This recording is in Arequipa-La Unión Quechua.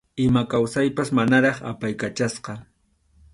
Ima kawsaypas manaraq apaykachasqa.